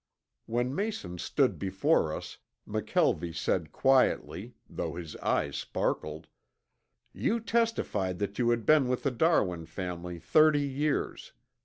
When Mason stood before us McKelvie said quietly, though his eyes sparkled: "You testified that you had been with the Darwin family thirty years.